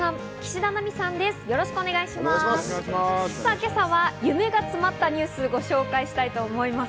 今朝は夢が詰まったニュースをご紹介したいと思います。